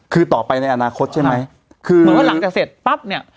คือต่อไปในอนาคตใช่ไหมคือเหมือนว่าหลังจากเสร็จปั๊บเนี่ย